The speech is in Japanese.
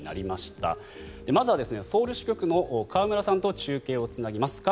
まずはソウル支局の河村さんと中継をつなぎます。